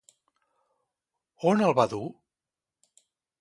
On el va dur?